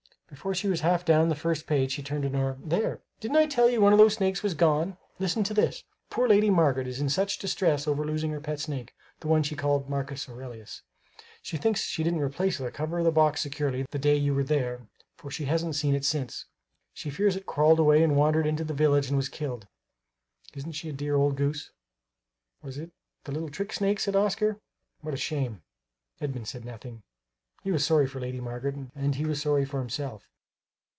Before she was half down the first page she turned to Nora: "There! Didn't I tell you one of those snakes was gone? Listen to this: 'Poor Lady Margaret is in such distress over losing her pet snake, the one she called Marcus Aurelius. She thinks she didn't replace the cover of the box securely the day you were there, for she hasn't seen it since. She fears it crawled away and wandered into the village and was killed. Isn't she a dear old goose?'" "Was it the little trick snake?" said Oscar. "What a shame!" Edmund said nothing; he was sorry for Lady Margaret and he was sorry for himself.